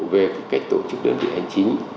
về cách tổ chức đơn vị hành chính